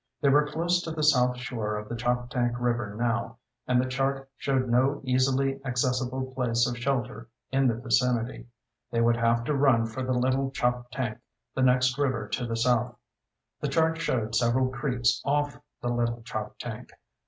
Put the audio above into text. They were close to the south shore of the Choptank River now, and the chart showed no easily accessible place of shelter in the vicinity. They would have to run for the Little Choptank, the next river to the south. The chart showed several creeks off the Little Choptank.